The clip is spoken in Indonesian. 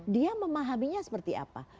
dia memahaminya seperti apa